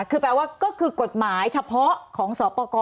คือแปลว่าก็คือกฎหมายเฉพาะของสปกร